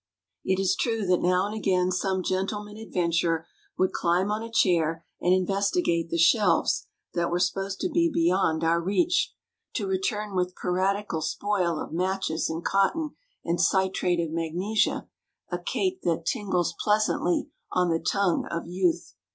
It is true that now and again some Gentleman Adventurer would climb on a chair and investigate the shelves that were supposed to be bej^ond 58 THE DAY BEFORE YESTERDAY our reach, to return with piratical spoil of matches and cotton and citrate of magnesia, a cate that tingles pleasantly on the tongue of youth.